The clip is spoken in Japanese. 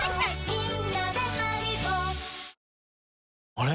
あれ？